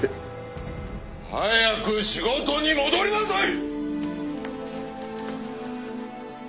早く仕事に戻りなさい！